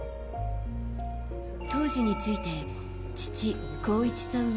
当時について父・浩一さんは。